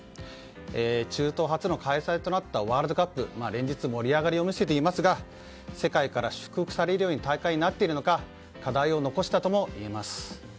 中東初の開催となったワールドカップは連日盛り上がりを見せていますが世界から祝福されるような大会になっているのか課題を残したともいえます。